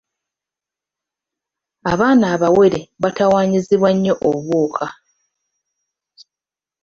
Abaana abawere batawaanyizibwa nnyo obwoka.